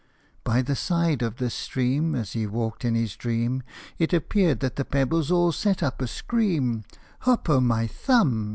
By the side of this stream, As he walked in his dream, It appeared that the pebbles all set up a scream, " Hop o' my Thumb